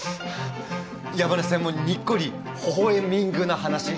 山根さんもにっこりほほ笑みんぐな話。